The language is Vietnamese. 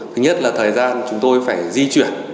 thứ nhất là thời gian chúng tôi phải di chuyển